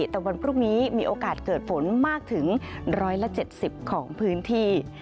แต่วันพรุ่งนี้มีโอกาสเกิดฝนมากถึง๑๗๐ของพื้นที่